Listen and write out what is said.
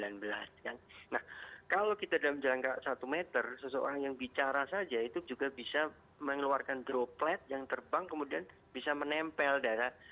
nah kalau kita dalam jangka satu meter seseorang yang bicara saja itu juga bisa mengeluarkan droplet yang terbang kemudian bisa menempel darah